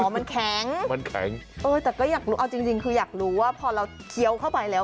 มันแข็งมันแข็งเออแต่ก็อยากรู้เอาจริงจริงคืออยากรู้ว่าพอเราเคี้ยวเข้าไปแล้ว